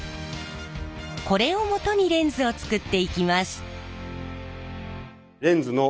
これをもとにレンズを作っていきます。